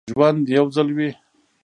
ژوند یو ځل وي